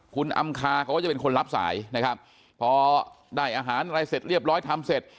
คุณอำคาเขาก็จะเป็นคนรับสายนะครับพอได้อาหารอะไรเสร็จเรียบร้อยทำเสร็จ